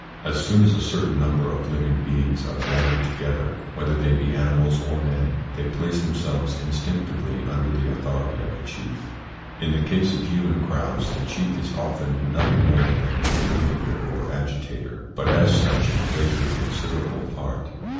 As soon as a certain number of living beings are gathered together, whether they be animals or men, they place themselves instinctively under the authority of a chief. In the case of human crowds the chief is often nothing more than a ringleader or agitator, but as such he plays a considerable part.